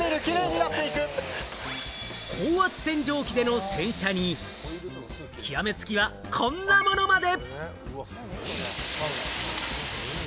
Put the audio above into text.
高圧洗浄機での洗車に、極め付きはこんなものまで。